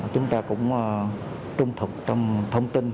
chúng ta cũng trung thực trong thông tin